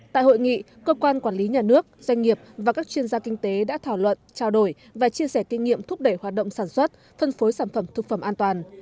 tại hội nghị cơ quan quản lý nhà nước doanh nghiệp và các chuyên gia kinh tế đã thảo luận trao đổi và chia sẻ kinh nghiệm thúc đẩy hoạt động sản xuất phân phối sản phẩm thực phẩm an toàn